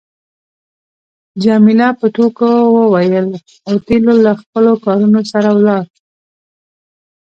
جميله په ټوکو وویل اوتیلو له خپلو کارونو سره ولاړ.